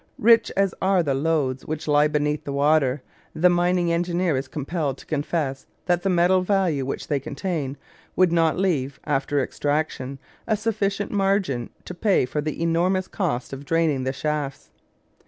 Rich as are the lodes which lie beneath the water, the mining engineer is compelled to confess that the metal value which they contain would not leave, after extraction, a sufficient margin to pay for the enormous cost of draining the shafts.